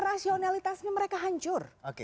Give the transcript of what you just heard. rasyonalitasnya mereka hancur